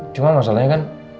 cuma masalahnya kan